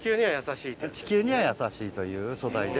地球には優しいという素材で。